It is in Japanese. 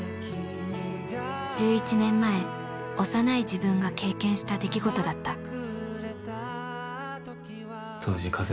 １１年前幼い自分が経験した出来事だった。